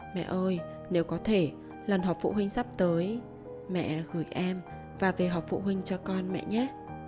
mẹ ơi nếu có thể lần họp phụ huynh sắp tới mẹ gửi em và về học phụ huynh cho con mẹ nhé